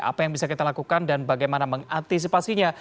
apa yang bisa kita lakukan dan bagaimana mengantisipasinya